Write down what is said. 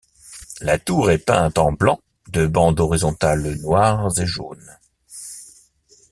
La tour est peinte en blanc de bandes horizontales noires et jaunes.